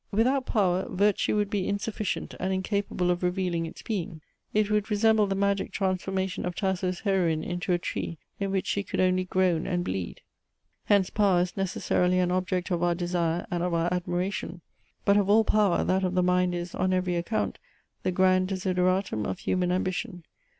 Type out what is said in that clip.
Without power, virtue would be insufficient and incapable of revealing its being. It would resemble the magic transformation of Tasso's heroine into a tree, in which she could only groan and bleed. Hence power is necessarily an object of our desire and of our admiration. But of all power, that of the mind is, on every account, the grand desideratum of human ambition.